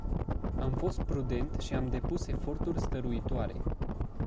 Am fost prudent și am depus eforturi stăruitoare.